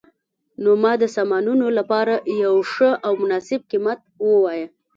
نو ما د سامانونو لپاره یو ښه او مناسب قیمت وواایه